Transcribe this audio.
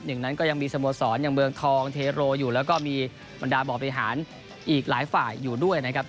หนึ่งนั้นก็ยังมีสโมสรอย่างเมืองทองเทโรอยู่แล้วก็มีบรรดาบ่อบริหารอีกหลายฝ่ายอยู่ด้วยนะครับ